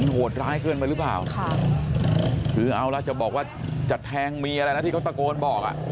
หวดร้ายเกินไปหรือเปล่าคือเอาล่ะจะบอกว่าจะแทงเมียนะที่เขาตะโกนบอก